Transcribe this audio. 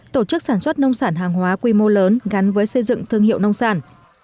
tổ chức sản xuất nông sản hàng hóa quy mô lớn gắn với xây dựng thương hiệu nông sản